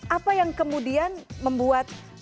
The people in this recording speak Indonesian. apa yang kemudian membuat